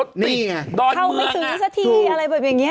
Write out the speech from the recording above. รถติดเข้าไม่ซื้อนี่สักทีอะไรแบบนี้